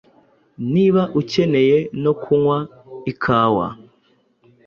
Niba ukeneye no kunywa ikawa,